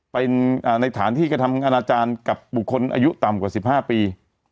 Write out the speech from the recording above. เป็นในฐานที่กระทำอนาจารย์กับบุคคลอายุต่ำกว่า๑๕ปี